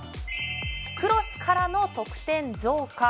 クロスからの得点増加！